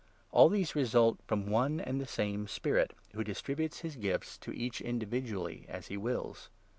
All n these result from one and the same Spirit, who distributes his gifts to each individually as he wills.